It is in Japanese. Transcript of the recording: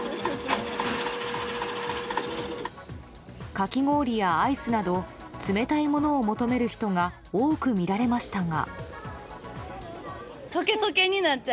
かき氷やアイスなど冷たいものを求める人が多く見られましたが。